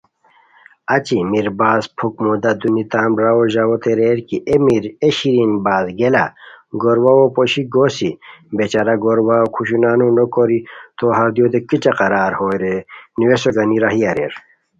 اچی میرباز پُھک مودا دونی تان برارو ژاؤتین ریر کی اے شیرین باز گئیے لہ گور واؤو پوشی گوسی بیچارہ گو رواؤ کھوشونانو نو کوری تو ہردیوتین کیچہ قرار ہوئے رے نوویسو گنی راہی اریر